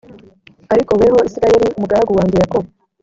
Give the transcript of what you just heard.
ariko weho isirayeli umugaragu wanjye yakobo